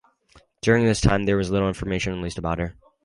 During this time there was little information released about her.